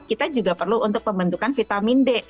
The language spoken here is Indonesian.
kita juga perlu untuk pembentukan vitamin d